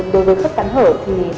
đối với thức cắn hở thì